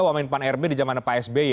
wamen pan rb di zaman pak sby